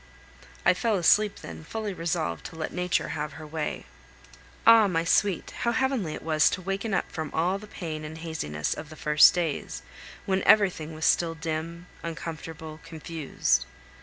I fell asleep then, fully resolved to let nature have her way. Ah! my sweet, how heavenly it was to waken up from all the pain and haziness of the first days, when everything was still dim, uncomfortable, confused.